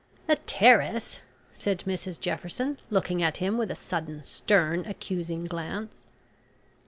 "The terrace," said Mrs Jefferson, looking at him with a sudden stern accusing glance.